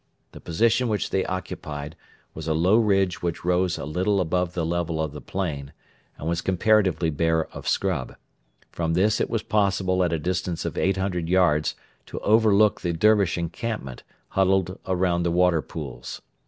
The position which they occupied was a low ridge which rose a little above the level of the plain and was comparatively bare of scrub; from this it was possible at a distance of 800 yards to overlook the Dervish encampment huddled around the water pools.